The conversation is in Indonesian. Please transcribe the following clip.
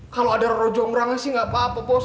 kalau ada rojo jonggrangnya sih gak apa apa bos